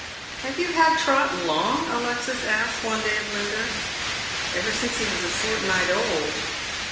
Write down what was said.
" Have you had Trot long ?" Alexis asks one day of Linda. " Ever since he was a fortnight old."